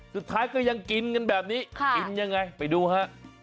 สุดท้ายก็ยังกินกันแบบนี้กินยังไงไปดูฮะ